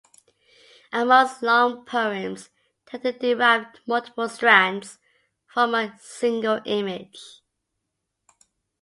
Ammons's long poems tend to derive multiple strands from a single image.